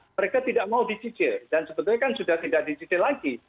mereka tidak mau dicicil dan sebetulnya kan sudah tidak dicicil lagi